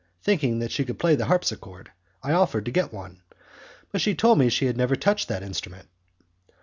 Thinking that she could play the harpsichord, I offered to get one, but she told me that she had never touched that instrument.